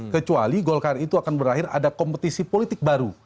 kecuali golkar itu akan berakhir ada kompetisi politik baru